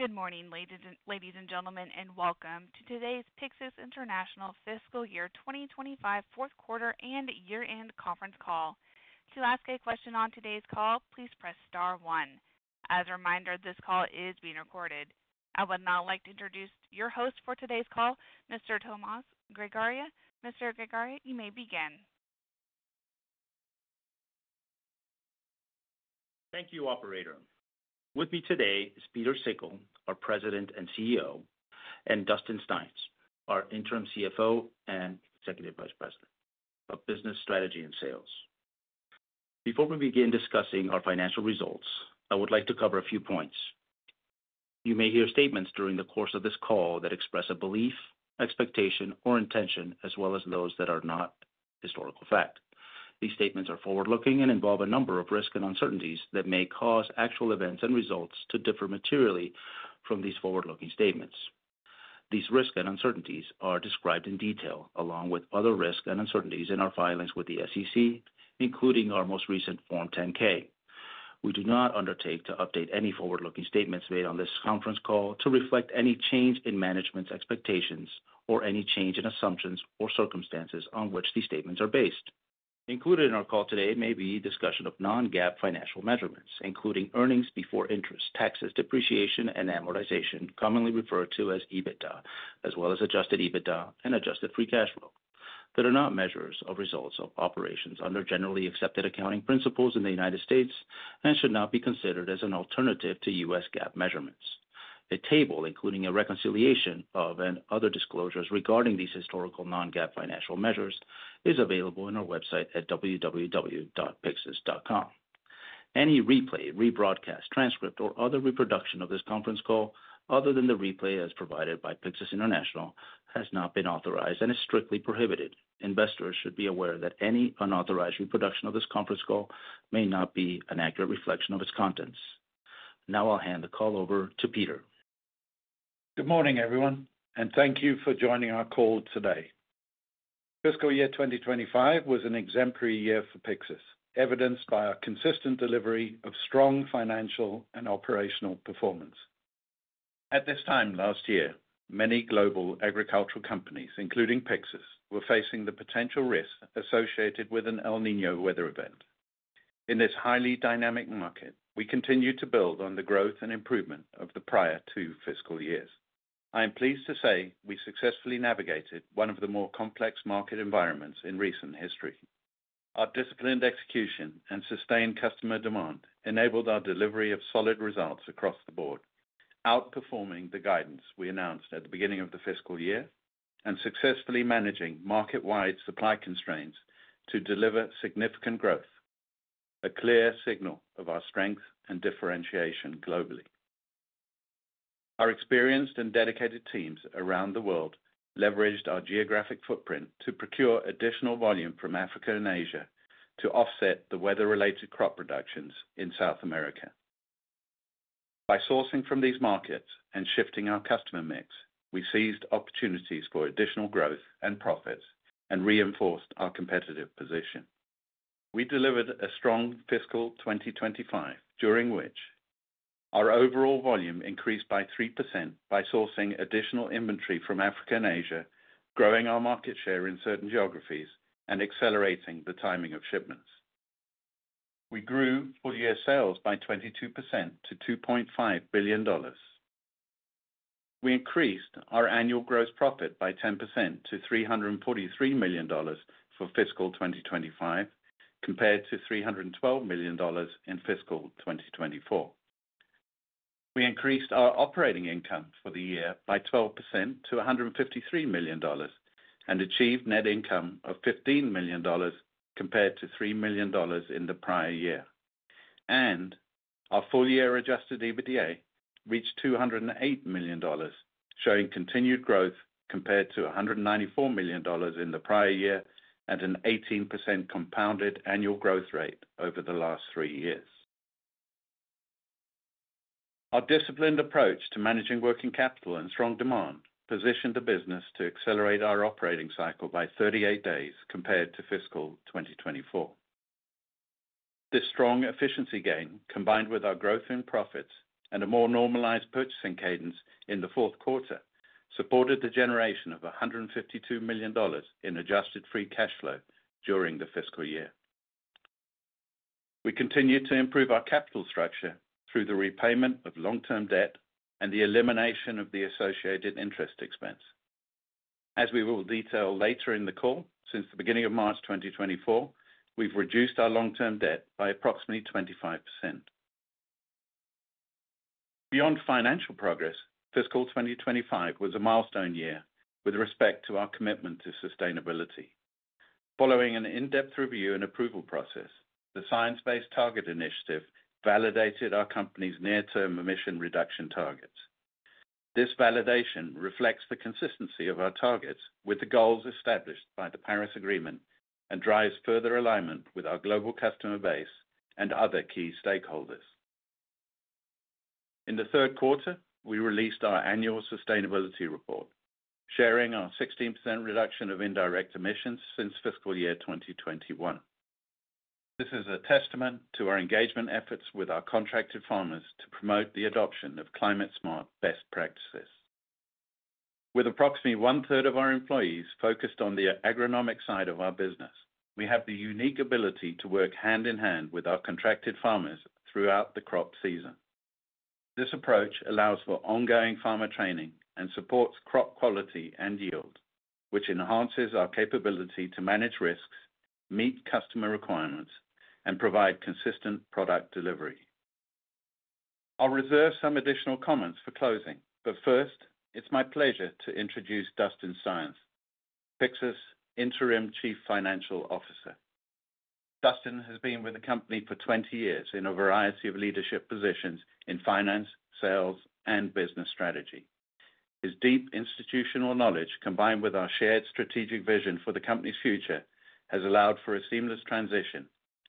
Good morning, ladies and gentlemen, and welcome to today's Pyxus International Fiscal Year 2025 Fourth Quarter and Year-End Conference Call. To ask a question on today's call, please press *1. As a reminder, this call is being recorded. I would now like to introduce your host for today's call, Mr. Tomas Grigera. Mr. Grigera, you may begin. Thank you, Operator. With me today is Pieter Sikkel, our President and CEO, and Dustin Styons, our Interim CFO and Executive Vice President of Business Strategy and Sales. Before we begin discussing our financial results, I would like to cover a few points. You may hear statements during the course of this call that express a belief, expectation, or intention, as well as those that are not historical fact. These statements are forward-looking and involve a number of risks and uncertainties that may cause actual events and results to differ materially from these forward-looking statements. These risks and uncertainties are described in detail, along with other risks and uncertainties in our filings with the SEC, including our most recent Form 10-K. We do not undertake to update any forward-looking statements made on this conference call to reflect any change in management's expectations or any change in assumptions or circumstances on which these statements are based. Included in our call today may be discussion of non-GAAP financial measurements, including earnings before interest, taxes, depreciation, and amortization, commonly referred to as EBITDA, as well as adjusted EBITDA and adjusted free cash flow. These are not measures of results of operations under generally accepted accounting principles in the U.S. and should not be considered as an alternative to U.S. GAAP measurements. A table, including a reconciliation of and other disclosures regarding these historical non-GAAP financial measures, is available on our website at www.pyxus.com. Any replay, rebroadcast, transcript, or other reproduction of this conference call other than the replay as provided by Pyxus International has not been authorized and is strictly prohibited. Investors should be aware that any unauthorized reproduction of this conference call may not be an accurate reflection of its contents. Now I'll hand the call over to Pieter. Good morning, everyone, and thank you for joining our call today. Fiscal year 2025 was an exemplary year for Pyxus, evidenced by our consistent delivery of strong financial and operational performance. At this time last year, many global agricultural companies, including Pyxus, were facing the potential risks associated with an El Niño weather event. In this highly dynamic market, we continue to build on the growth and improvement of the prior two fiscal years. I am pleased to say we successfully navigated one of the more complex market environments in recent history. Our disciplined execution and sustained customer demand enabled our delivery of solid results across the board, outperforming the guidance we announced at the beginning of the fiscal year and successfully managing market-wide supply constraints to deliver significant growth, a clear signal of our strength and differentiation globally. Our experienced and dedicated teams around the world leveraged our geographic footprint to procure additional volume from Africa and Asia to offset the weather-related crop productions in South America. By sourcing from these markets and shifting our customer mix, we seized opportunities for additional growth and profits and reinforced our competitive position. We delivered a strong fiscal 2025, during which our overall volume increased by 3% by sourcing additional inventory from Africa and Asia, growing our market share in certain geographies and accelerating the timing of shipments. We grew full-year sales by 22% to $2.5 billion. We increased our annual gross profit by 10% to $343 million for fiscal 2025, compared to $312 million in fiscal 2024. We increased our operating income for the year by 12% to $153 million and achieved net income of $15 million, compared to $3 million in the prior year. Our full-year adjusted EBITDA reached $208 million, showing continued growth compared to $194 million in the prior year at an 18% compounded annual growth rate over the last th3ree years. Our disciplined approach to managing working capital and strong demand positioned the business to accelerate our operating cycle by 38 days compared to fiscal 2024. This strong efficiency gain, combined with our growth in profits and a more normalized purchasing cadence in the fourth quarter, supported the generation of $152 million in adjusted free cash flow during the fiscal year. We continue to improve our capital structure through the repayment of long-term debt and the elimination of the associated interest expense. As we will detail later in the call, since the beginning of March 2024, we've reduced our long-term debt by approximately 25%. Beyond financial progress, fiscal 2025 was a milestone year with respect to our commitment to sustainability. Following an in-depth review and approval process, the Science-Based Target Initiative validated our company's near-term emission reduction targets. This validation reflects the consistency of our targets with the goals established by the Paris Agreement and drives further alignment with our global customer base and other key stakeholders. In the third quarter, we released our annual sustainability report, sharing our 16% reduction of indirect emissions since fiscal year 2021. This is a testament to our engagement efforts with our contracted farmers to promote the adoption of climate-smart best practices. With approximately one-third of our employees focused on the agronomic side of our business, we have the unique ability to work hand in hand with our contracted farmers throughout the crop season. This approach allows for ongoing farmer training and supports crop quality and yield, which enhances our capability to manage risks, meet customer requirements, and provide consistent product delivery. I'll reserve some additional comments for closing, but first, it's my pleasure to introduce Dustin Styons, Pyxus Interim Chief Financial Officer. Dustin has been with the company for 20 years in a variety of leadership positions in finance, sales, and business strategy. His deep institutional knowledge, combined with our shared strategic vision for the company's future, has allowed for a seamless transition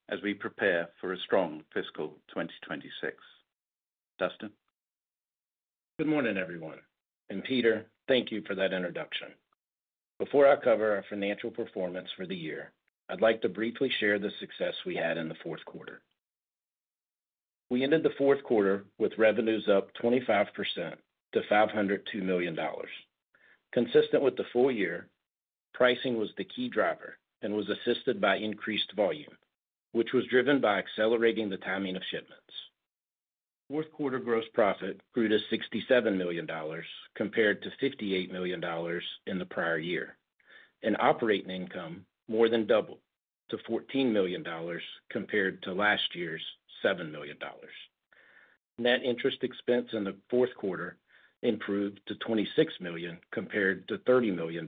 as we prepare for a strong fiscal 2026. Dustin. Good morning, everyone, and Pieter, thank you for that introduction. Before I cover our financial performance for the year, I'd like to briefly share the success we had in the fourth quarter. We ended the fourth quarter with revenues up 25% to $502 million. Consistent with the full year, pricing was the key driver and was assisted by increased volume, which was driven by accelerating the timing of shipments. Fourth quarter gross profit grew to $67 million, compared to $58 million in the prior year, and operating income more than doubled to $14 million compared to last year's $7 million. Net interest expense in the fourth quarter improved to $26 million compared to $30 million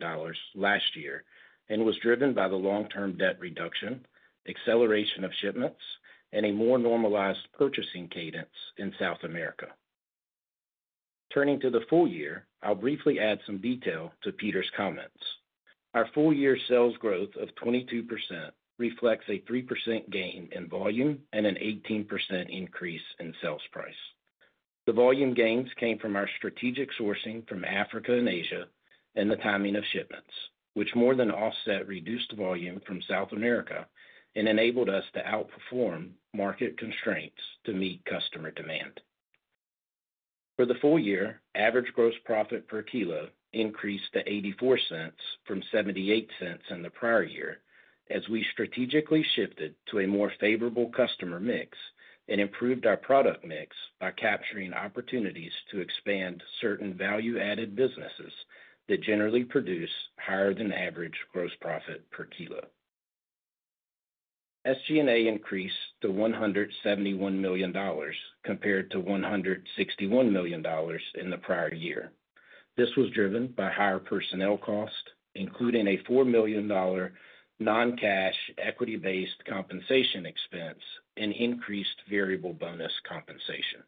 last year and was driven by the long-term debt reduction, acceleration of shipments, and a more normalized purchasing cadence in South America. Turning to the full year, I'll briefly add some detail to Pieter's comments. Our full-year sales growth of 22% reflects a 3% gain in volume and an 18% increase in sales price. The volume gains came from our strategic sourcing from Africa and Asia and the timing of shipments, which more than offset reduced volume from South America and enabled us to outperform market constraints to meet customer demand. For the full year, average gross profit per kilo increased to $0.84 from $0.78 in the prior year as we strategically shifted to a more favorable customer mix and improved our product mix by capturing opportunities to expand certain value-added businesses that generally produce higher-than-average gross profit per kilo. SG&A increased to $171 million compared to $161 million in the prior year. This was driven by higher personnel cost, including a $4 million non-cash equity-based compensation expense and increased variable bonus compensation.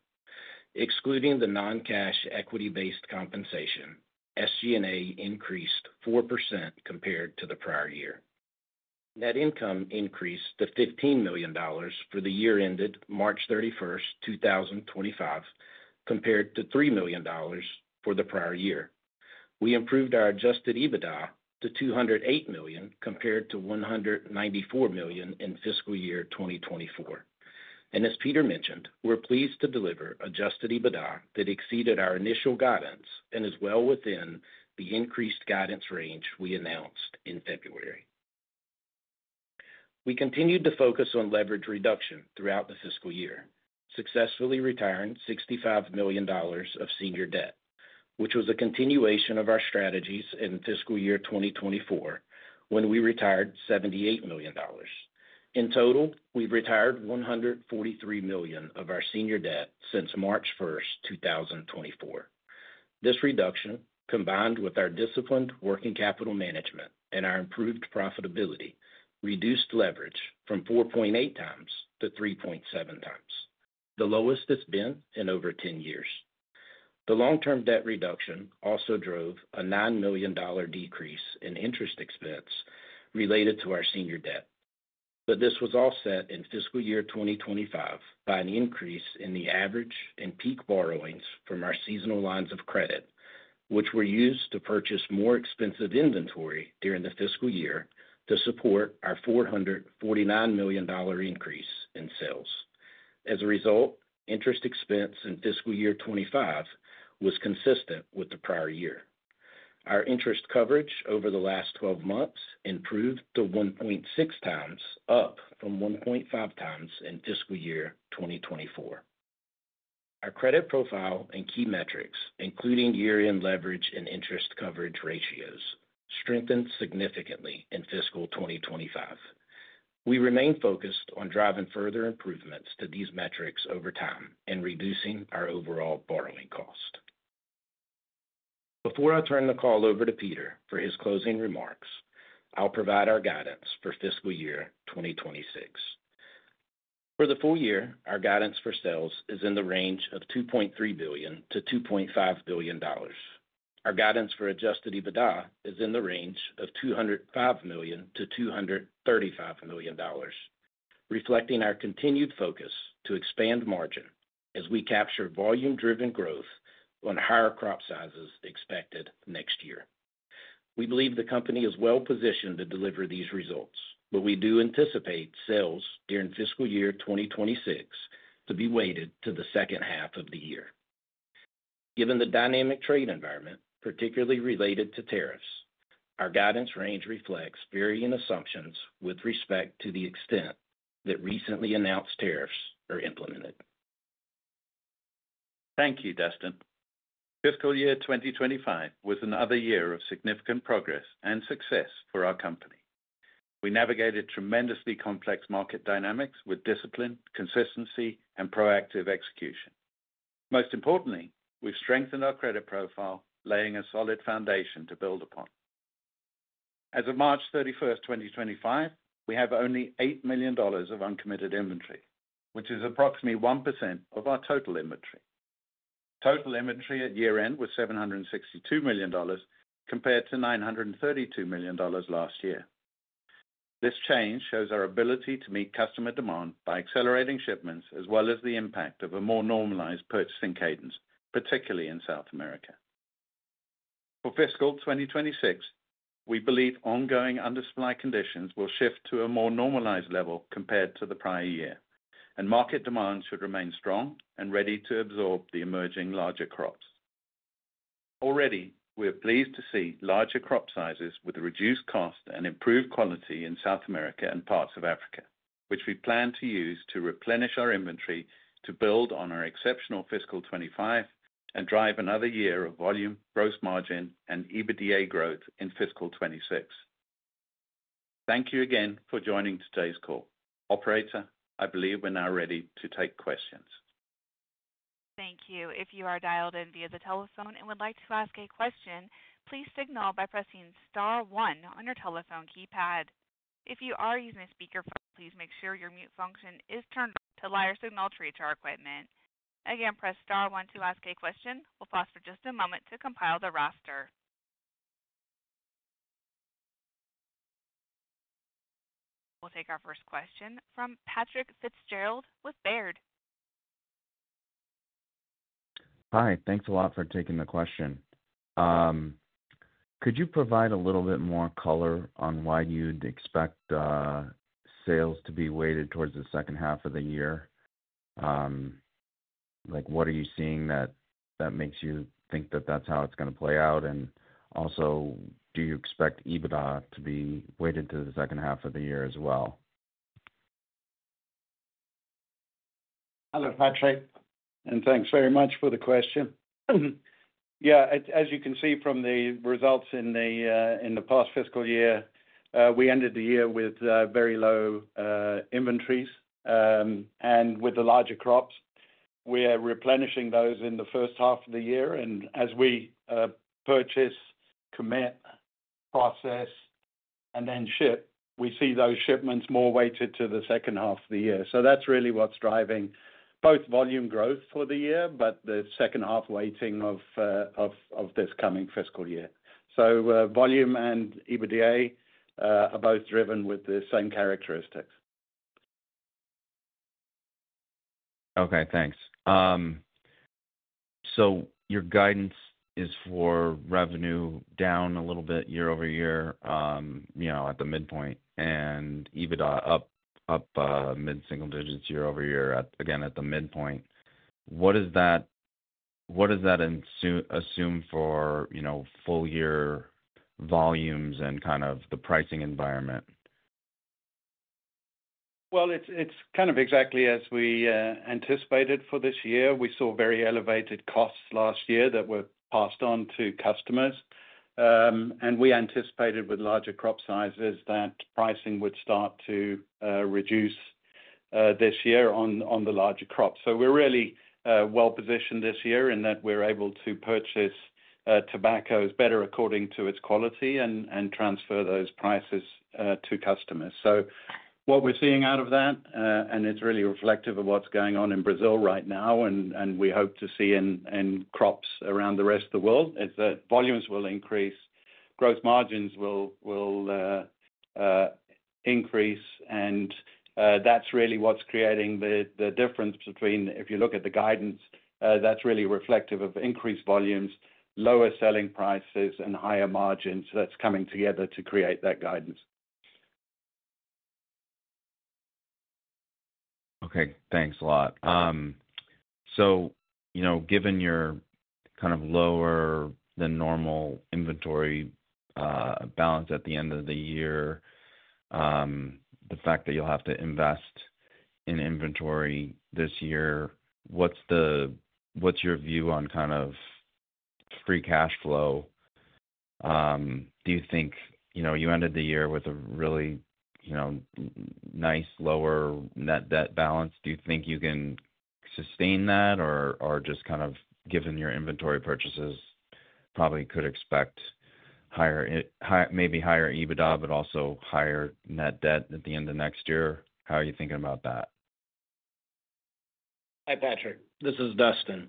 Excluding the non-cash equity-based compensation, SG&A increased 4% compared to the prior year. Net income increased to $15 million for the year ended March 31, 2025, compared to $3 million for the prior year. We improved our adjusted EBITDA to $208 million compared to $194 million in fiscal year 2024. As Peter mentioned, we're pleased to deliver adjusted EBITDA that exceeded our initial guidance and is well within the increased guidance range we announced in February. We continued to focus on leverage reduction throughout the fiscal year, successfully retiring $65 million of senior debt, which was a continuation of our strategies in fiscal year 2024 when we retired $78 million. In total, we've retired $143 million of our senior debt since March 1, 2024. This reduction, combined with our disciplined working capital management and our improved profitability, reduced leverage from 4.8 times to 3.7 times, the lowest it's been in over 10 years. The long-term debt reduction also drove a $9 million decrease in interest expense related to our senior debt. This was all set in fiscal year 2025 by an increase in the average and peak borrowings from our seasonal lines of credit, which were used to purchase more expensive inventory during the fiscal year to support our $449 million increase in sales. As a result, interest expense in fiscal year 2025 was consistent with the prior year. Our interest coverage over the last 12 months improved to 1.6 times, up from 1.5 times in fiscal year 2024. Our credit profile and key metrics, including year-end leverage and interest coverage ratios, strengthened significantly in fiscal 2025. We remain focused on driving further improvements to these metrics over time and reducing our overall borrowing cost. Before I turn the call over to Pieter for his closing remarks, I'll provide our guidance for fiscal year 2026. For the full year, our guidance for sales is in the range of $2.3 billion-$2.5 billion. Our guidance for adjusted EBITDA is in the range of $205 million-$235 million, reflecting our continued focus to expand margin as we capture volume-driven growth on higher crop sizes expected next year. We believe the company is well positioned to deliver these results, but we do anticipate sales during fiscal year 2026 to be weighted to the second half of the year. Given the dynamic trade environment, particularly related to tariffs, our guidance range reflects varying assumptions with respect to the extent that recently announced tariffs are implemented. Thank you, Dustin. Fiscal year 2025 was another year of significant progress and success for our company. We navigated tremendously complex market dynamics with discipline, consistency, and proactive execution. Most importantly, we have strengthened our credit profile, laying a solid foundation to build upon. As of March 31, 2025, we have only $8 million of uncommitted inventory, which is approximately 1% of our total inventory. Total inventory at year-end was $762 million compared to $932 million last year. This change shows our ability to meet customer demand by accelerating shipments as well as the impact of a more normalized purchasing cadence, particularly in South America. For fiscal 2026, we believe ongoing undersupply conditions will shift to a more normalized level compared to the prior year, and market demand should remain strong and ready to absorb the emerging larger crops. Already, we're pleased to see larger crop sizes with reduced cost and improved quality in South America and parts of Africa, which we plan to use to replenish our inventory to build on our exceptional fiscal 2025 and drive another year of volume, gross margin, and EBITDA growth in fiscal 2026. Thank you again for joining today's call. Operator, I believe we're now ready to take questions. Thank you. If you are dialed in via the telephone and would like to ask a question, please signal by pressing *1 on your telephone keypad. If you are using a speakerphone, please make sure your mute function is turned on to allow your signal to reach our equipment. Again, press *1 to ask a question. We'll pause for just a moment to compile the roster. We'll take our first question from Patrick Fitzgerald with Baird. Hi. Thanks a lot for taking the question. Could you provide a little bit more color on why you'd expect sales to be weighted towards the second half of the year? What are you seeing that makes you think that that's how it's going to play out? Also, do you expect EBITDA to be weighted to the second half of the year as well? Hello, Patrick, and thanks very much for the question. Yeah, as you can see from the results in the past fiscal year, we ended the year with very low inventories and with the larger crops. We are replenishing those in the first half of the year. As we purchase, commit, process, and then ship, we see those shipments more weighted to the second half of the year. That is really what is driving both volume growth for the year, but the second half weighting of this coming fiscal year. Volume and EBITDA are both driven with the same characteristics. Okay, thanks. Your guidance is for revenue down a little bit year over year at the midpoint and EBITDA up mid-single digits year over year, again, at the midpoint. What does that assume for full-year volumes and kind of the pricing environment? It is kind of exactly as we anticipated for this year. We saw very elevated costs last year that were passed on to customers. We anticipated with larger crop sizes that pricing would start to reduce this year on the larger crops. We are really well positioned this year in that we are able to purchase tobacco better according to its quality and transfer those prices to customers. What we are seeing out of that, and it is really reflective of what is going on in Brazil right now, and we hope to see in crops around the rest of the world, is that volumes will increase, gross margins will increase, and that is really what is creating the difference between, if you look at the guidance, that is really reflective of increased volumes, lower selling prices, and higher margins that is coming together to create that guidance. Okay, thanks a lot. Given your kind of lower than normal inventory balance at the end of the year, the fact that you'll have to invest in inventory this year, what's your view on kind of free cash flow? Do you think you ended the year with a really nice lower net debt balance? Do you think you can sustain that, or just kind of given your inventory purchases, probably could expect maybe higher EBITDA, but also higher net debt at the end of next year? How are you thinking about that? Hi, Patrick. This is Dustin.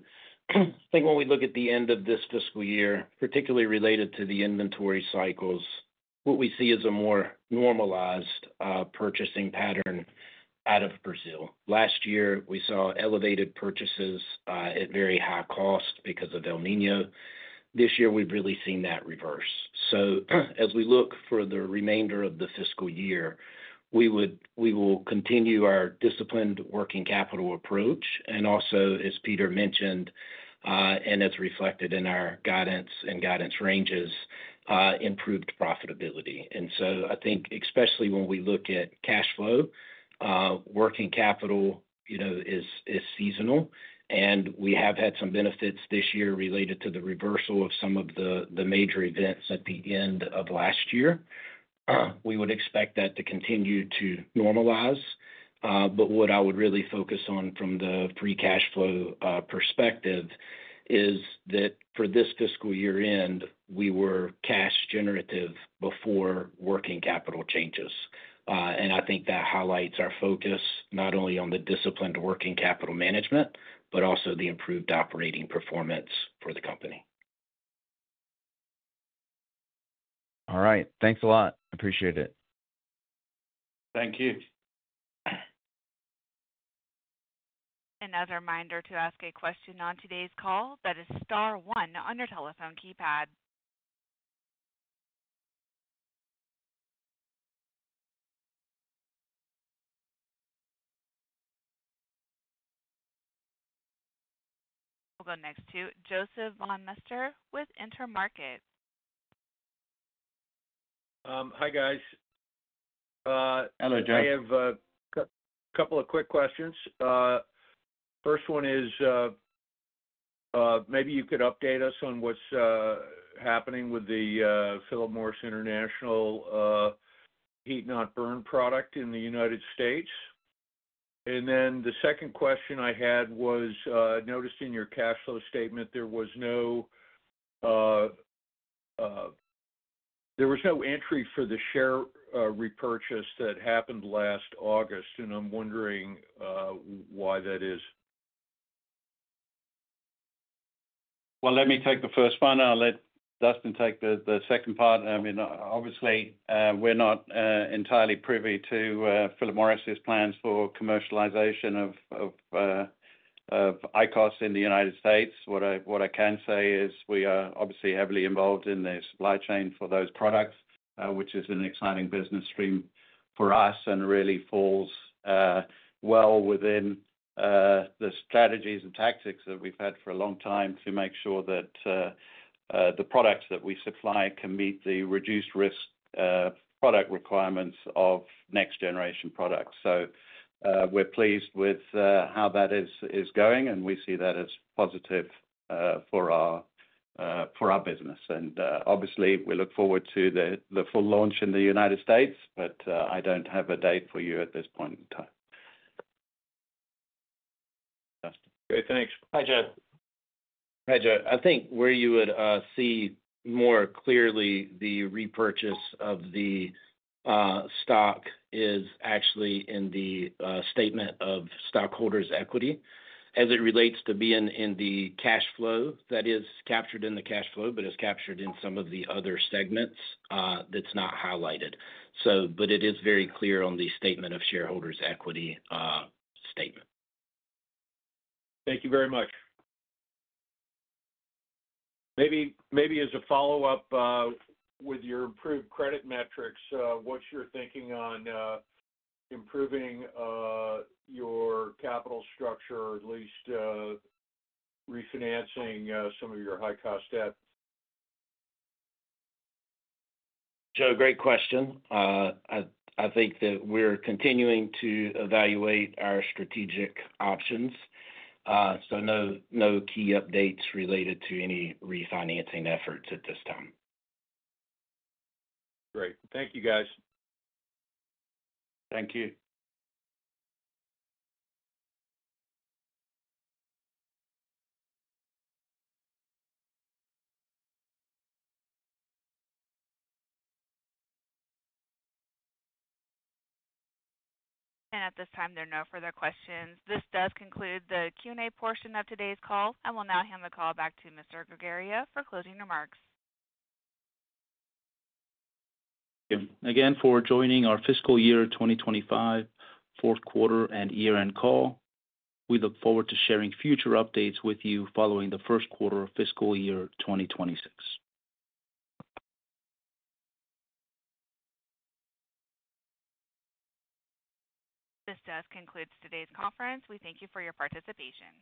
I think when we look at the end of this fiscal year, particularly related to the inventory cycles, what we see is a more normalized purchasing pattern out of Brazil. Last year, we saw elevated purchases at very high cost because of El Niño. This year, we've really seen that reverse. As we look for the remainder of the fiscal year, we will continue our disciplined working capital approach. Also, as Peter mentioned, and as reflected in our guidance and guidance ranges, improved profitability. I think, especially when we look at cash flow, working capital is seasonal, and we have had some benefits this year related to the reversal of some of the major events at the end of last year. We would expect that to continue to normalize. What I would really focus on from the free cash flow perspective is that for this fiscal year-end, we were cash-generative before working capital changes. I think that highlights our focus not only on the disciplined working capital management, but also the improved operating performance for the company. All right. Thanks a lot. Appreciate it. Thank you. As a reminder to ask a question on today's call, that is *1 on your telephone keypad. We'll go next to Joseph von Mester with Intermarket. Hi, guys. Hello, Josh. I have a couple of quick questions. First one is, maybe you could update us on what's happening with the Philip Morris International heat-not-burn product in the United States. The second question I had was, I noticed in your cash flow statement, there was no entry for the share repurchase that happened last August, and I'm wondering why that is. Let me take the first one. I'll let Dustin take the second part. I mean, obviously, we're not entirely privy to Philip Morris's plans for commercialization of ICOS in the United States. What I can say is we are obviously heavily involved in the supply chain for those products, which is an exciting business stream for us and really falls well within the strategies and tactics that we've had for a long time to make sure that the products that we supply can meet the reduced risk product requirements of next-generation products. We are pleased with how that is going, and we see that as positive for our business. We look forward to the full launch in the United States, but I don't have a date for you at this point in time. Okay, thanks. Hi, Joe. I think where you would see more clearly the repurchase of the stock is actually in the statement of stockholders' equity as it relates to being in the cash flow that is captured in the cash flow, but it's captured in some of the other segments that's not highlighted. It is very clear on the statement of shareholders' equity statement. Thank you very much. Maybe as a follow-up with your improved credit metrics, what's your thinking on improving your capital structure or at least refinancing some of your high-cost debt? Joe, great question. I think that we're continuing to evaluate our strategic options. So no key updates related to any refinancing efforts at this time. Great. Thank you, guys. Thank you. At this time, there are no further questions. This does conclude the Q&A portion of today's call. I will now hand the call back to Mr. Grigera for closing remarks. Thank you again for joining our fiscal year 2025 Fourth Quarter and Year-End Call. We look forward to sharing future updates with you following the first quarter of fiscal year 2026. This does conclude today's conference. We thank you for your participation.